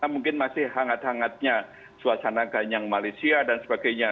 mungkin masih hangat hangatnya suasana ganyang malaysia dan sebagainya